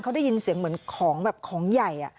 เขาได้ยินเสียงเหมือนของแบบของใหญ่